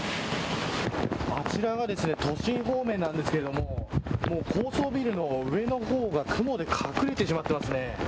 あちらは都心方面なんですけど高層ビルの上の方が雲で隠れてしまっていますね。